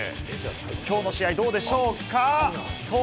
今日の試合、どうでしょうか？